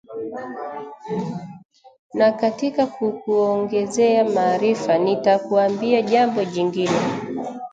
Na katika kukuongezea maarifa nitakuambia jambo jingine